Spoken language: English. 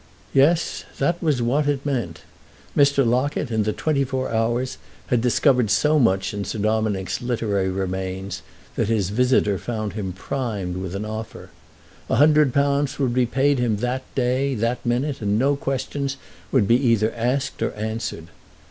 Yes, that was what it meant: Mr. Locket, in the twenty four hours, had discovered so much in Sir Dominick's literary remains that his visitor found him primed with an offer. A hundred pounds would be paid him that day, that minute, and no questions would be either asked or answered.